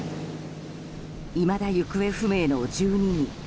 いまだ行方不明の１２人。